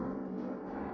kabur lagi kejar kejar kejar